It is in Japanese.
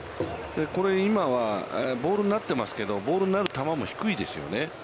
今はボールになっていますけれども、ボールになる球も低いですよね。